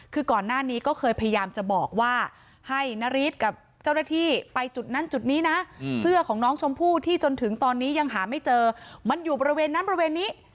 คือก่อนหน้านี้ก็เคยพยายามจะบอกว่าให้นาริสกับเจ้าหน้าที่ไปจุดนั้นจุดนี้นะเสื้อของน้องชมพู่ที่จนถึงตอนนี้ยังหาไม่เจอมันอยู่บริเวณนั้นบริเวณนี้